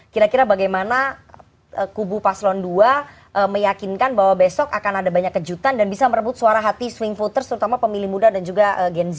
kira kira bagaimana kubu paslon dua meyakinkan bahwa besok akan ada banyak kejutan dan bisa merebut suara hati swing voters terutama pemilih muda dan juga gen z